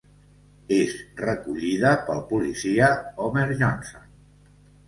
És recollida pel policia Homer Johnson.